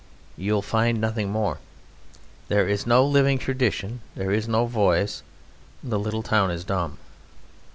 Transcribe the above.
You will find nothing more. There is no living tradition, there is no voice; the little town is dumb.